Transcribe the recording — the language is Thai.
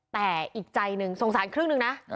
แต่อีกใจหนึ่งสงสารครึ่งหนึ่งนะ